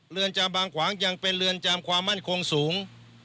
จามบางขวางยังเป็นเรือนจำความมั่นคงสูง